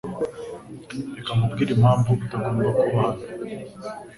Reka nkubwire impamvu utagomba kuba hano .